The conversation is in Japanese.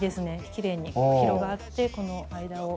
きれいに広がってこの間を。